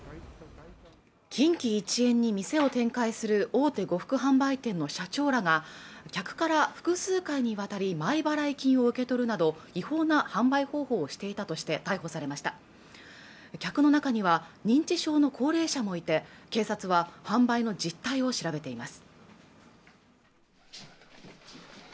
近畿一円に店を展開する大手呉服販売店の社長らが客から複数回にわたり前払い金を受け取るなど違法な販売方法をしていたとして逮捕されました客の中には認知症の高齢者もいて警察は販売の実態を調べています